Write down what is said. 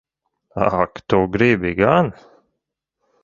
Ak tu gribi gan!